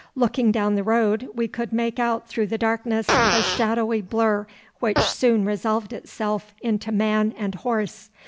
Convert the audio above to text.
Looking down the road we could make out through the darkness a shadowy blur which soon resolved itself into man and horse.